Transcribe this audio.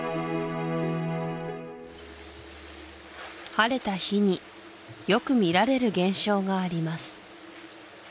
晴れた日によく見られる現象があります